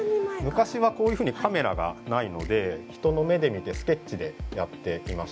昔はこういうふうにカメラがないので人の目で見てスケッチでやっていました。